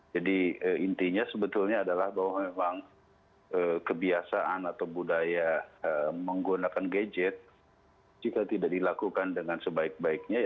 jadi intinya sebetulnya adalah bahwa memang kebiasaan atau budaya menggunakan gadget jika tidak dilakukan dengan sebaik baiknya